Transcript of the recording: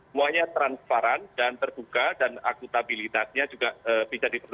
semuanya transparan dan terbuka dan akutabilitasnya juga bisa diperlukan